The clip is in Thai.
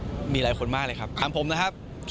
เพราะว่ามีศิลปินดังมาร่วมร้องเพลงรักกับหนูโตหลายคนเลยค่ะ